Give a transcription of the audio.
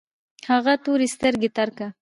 هغه تورې سترګې ترکه